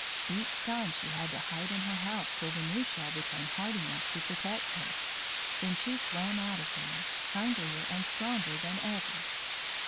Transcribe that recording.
Each time she had to hide in her house till the new shell became hard enough to protect her; then she swam out again, hungrier and stronger than ever.